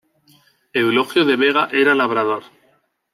Eulogio de Vega era labrador.